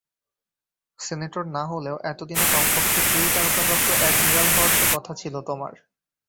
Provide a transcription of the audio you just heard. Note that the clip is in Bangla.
সেনেটর না হলেও এতদিনে কমপক্ষে দুই তারকাপ্রাপ্ত এডমিরাল হওয়ার তো কথা ছিল তোমার।